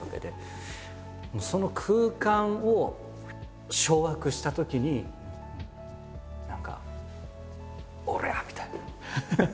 その空間を掌握したときに何かおりゃ！みたいな。